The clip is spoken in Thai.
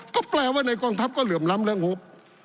ก็แปลว่าในกองทัพก็เหลื่อมล้ำเรื่องงบ